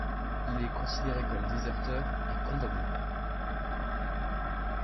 Il est considéré comme déserteur et condamné.